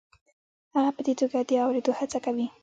هغه په دې توګه د اورېدو هڅه کوي.